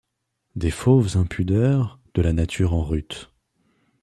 Des fauves impudeurs de la nature en rut ;